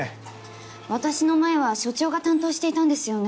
私の前は所長が担当していたんですよね？